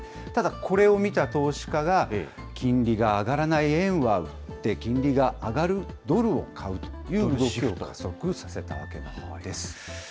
ただ、これを見た投資家が、金利が上がらない円は売って、金利が上がるドルを買うという動きを加速させたわけなんです。